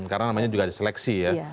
karena namanya juga seleksi ya